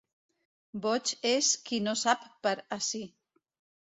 Boig és qui no sap per a si.